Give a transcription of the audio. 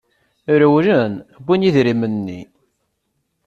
Rewlen, wwin idrimen-nni.